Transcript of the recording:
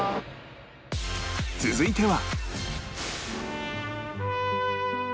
続いては